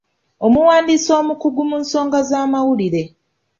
Omuwandiisi mukugu mu nsonga z'amawulire.